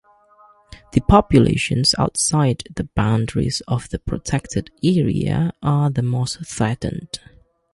The populations outside the boundaries of the protected area are the most threatened.